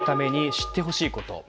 命を守るために知ってほしいこと。